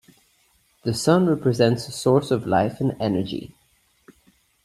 The sun represents a source of life and energy.